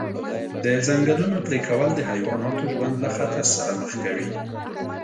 د ځنګلونو پرېکول د حیواناتو ژوند له خطر سره مخ کوي.